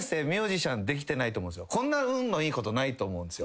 こんな運のいいことないと思うんですよ。